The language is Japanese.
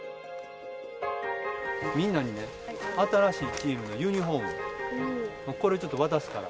みんなにね、新しいチームのユニホーム、これをちょっと渡すから。